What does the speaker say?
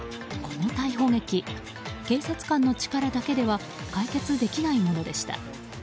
この逮捕劇、警察官の力だけでは解決できないものでした。